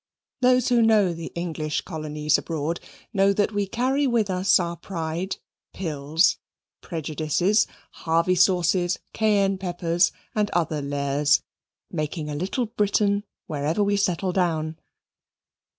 Those who know the English Colonies abroad know that we carry with us us our pride, pills, prejudices, Harvey sauces, cayenne peppers, and other Lares, making a little Britain wherever we settle down.